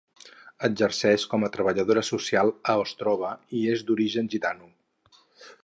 Exerceix com a treballadora social a Ostrava i és d'origen gitano.